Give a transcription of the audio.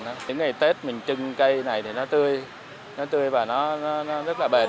những ngày tết mình trưng cây này thì nó tươi nó tươi và nó rất là bền